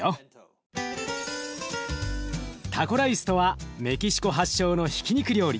タコライスとはメキシコ発祥のひき肉料理。